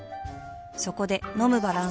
そこで飲むバランス栄養食